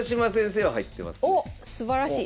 おっすばらしい。